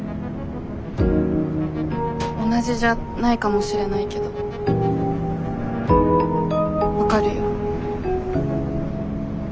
同じじゃないかもしれないけど分かるよ。